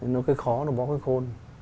nó cái khó nó bó cái khôn